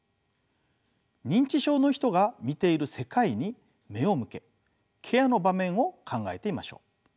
認知症の人が見ている世界に目を向けケアの場面を考えてみましょう。